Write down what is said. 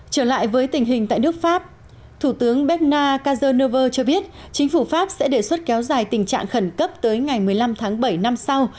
trở lại với tình hình tại nước pháp thủ tướng berna kazeneva cho biết chính phủ pháp sẽ đề xuất kéo dài tình trạng khẩn cấp tới ngày một mươi năm tháng bảy năm sau